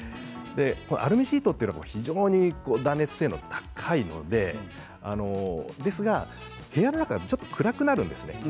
アルミシートというのも非常に断熱性能が高いのでですが部屋の中がちょっと暗くなるんですね